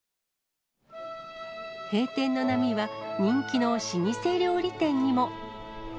閉店の波は人気の老舗料理店にも。